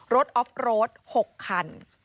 ออฟโรด๖คัน